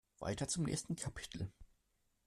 Weiter zum nächsten Kapitel.